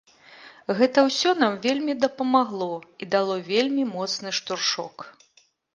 Гэта ўсё нам вельмі дапамагло і дало вельмі моцны штуршок.